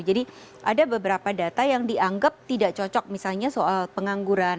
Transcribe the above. jadi ada beberapa data yang dianggap tidak cocok misalnya soal pengangguran